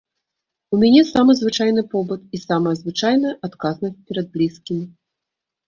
У мяне самы звычайны побыт і самая звычайная адказнасць перад блізкімі.